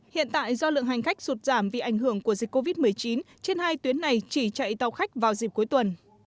hiện tại do lượng hành khách sụt giảm vì ảnh hưởng của dịch covid một mươi chín trên hai tuyến này chỉ chạy tàu khách vào dịp cuối tuần